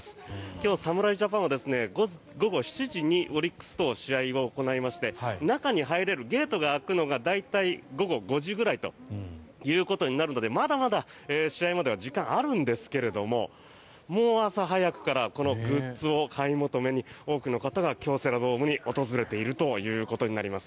今日、侍ジャパンは午後７時にオリックスと試合を行いまして中に入れるゲートが開くのが大体午後５時ぐらいとなるのでまだまだ試合までは時間あるんですけれどももう朝早くからこのグッズを買い求めに多くの方が京セラドームに訪れているということになります。